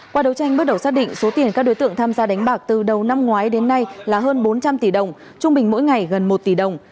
qua đấu tranh bước đầu xác định số tiền các đối tượng tham gia đánh bạc từ đầu năm ngoái đến nay là hơn bốn trăm linh tỷ đồng trung bình mỗi ngày gần một tỷ đồng